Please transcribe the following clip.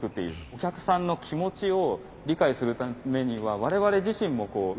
お客さんの気持ちを理解するためには我々自身も動くものを作ると。